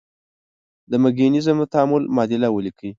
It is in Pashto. د مګنیزیم د تعامل معادله ولیکئ.